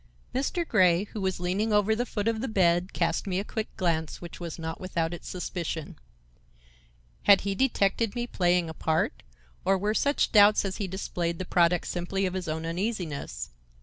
Mr. Grey, who was leaning over the foot of the bed, cast me a quick glance which was not without its suspicion. Had he detected me playing a part, or were such doubts as he displayed the product simply of his own uneasiness?